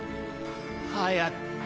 早く。